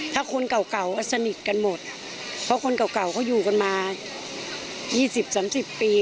ถ้าคนเก่าสนิทกันหมดเพราะคนเก่าเขาอยู่กันมา๒๐๓๐ปี